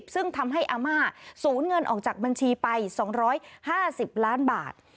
ซึ่งทำให้อาม่าสูญเงินออกจากบัญชีไป๒๕๐ล้านบาท